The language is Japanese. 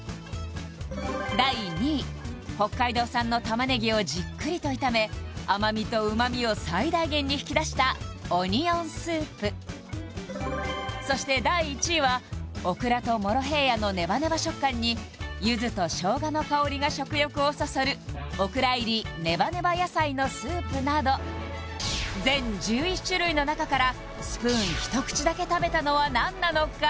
第２位北海道産の玉ねぎをじっくりと炒め甘みと旨味を最大限に引き出したオニオンスープそして第１位はオクラとモロヘイヤのねばねば食感にゆずと生姜の香りが食欲をそそるオクラ入りねばねば野菜のスープなど全１１種類の中からスプーンひと口だけ食べたのは何なのか？